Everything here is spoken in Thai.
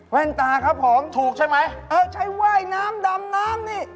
ตาครับผมถูกใช่ไหมเออใช้ว่ายน้ำดำน้ำนี่